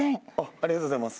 ありがとうございます。